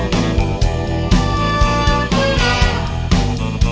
nunggu akang di surga